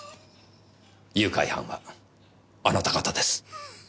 誘拐犯はあなた方です。